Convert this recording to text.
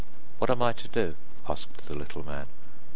'What am I to do?' asked the little man.